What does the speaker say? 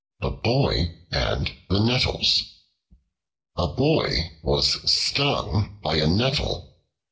The Boy and the Nettles A BOY was stung by a Nettle.